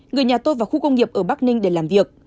người nhà tôi vào khu công nghiệp ở bắc ninh để làm việc